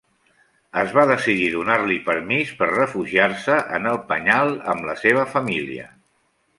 Es va decidir donar-li permís per refugiar-se en el penyal amb la seva família.